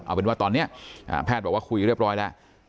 เอาเป็นว่าตอนนี้แพทย์บอกว่าคุยเรียบร้อยแล้ว